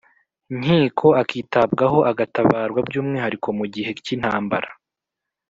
nkiko, akitabwaho, agatabarwa by'umwihariko mu gihe k'intambara,